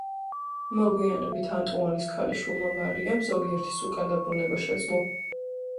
მოგვიანებით ანტუანის ქალიშვილმა, მარიმ ზოგიერთის უკან დაბრუნება შეძლო.